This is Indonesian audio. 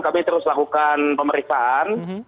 kami terus lakukan pemeriksaan